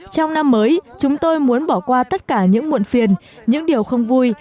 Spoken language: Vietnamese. trong năm mới chúng tôi muốn bỏ qua tất cả những muộn phiền những điều không vui